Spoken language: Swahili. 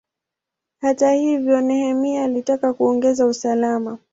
Hata hivyo, Nehemia alitaka kuongeza usalama.